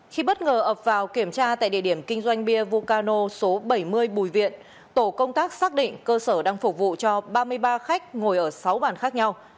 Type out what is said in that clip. khi bất ngờ ập vào kiểm tra tại địa điểm kinh doanh bia vu cano số bảy mươi bùi viện tổ công tác xác định cơ sở đang phục vụ cho ba mươi ba khách ngồi ở sáu bàn khác nhau